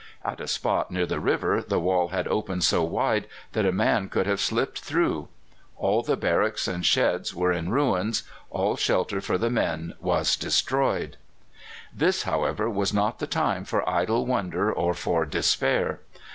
At a spot near the river the wall had opened so wide that a man could have slipped through. All the barracks and sheds were in ruins; all shelter for the men was destroyed. This, however, was not the time for idle wonder or for despair.